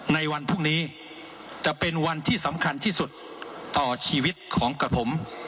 ในวันพรุ่งนี้จะเป็นวันที่สำคัญที่สุดต่อชีวิตของกับผม